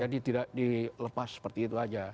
jadi tidak dilepas seperti itu aja